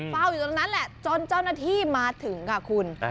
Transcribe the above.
เฝ้าอยู่ตรงนั้นแหละจนเจ้าหน้าที่มาถึงค่ะคุณ